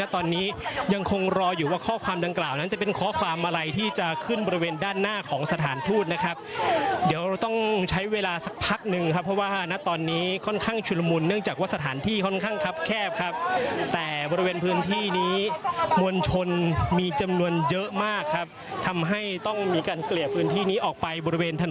ตอนนี้ยังคงรออยู่ว่าข้อความดังกล่าวนั้นจะเป็นข้อความอะไรที่จะขึ้นบริเวณด้านหน้าของสถานทูตนะครับเดี๋ยวเราต้องใช้เวลาสักพักหนึ่งครับเพราะว่าณตอนนี้ค่อนข้างชุลมุนเนื่องจากว่าสถานที่ค่อนข้างคับแคบครับแต่บริเวณพื้นที่นี้มวลชนมีจำนวนเยอะมากครับทำให้ต้องมีการเกลี่ยพื้นที่นี้ออกไปบริเวณถนน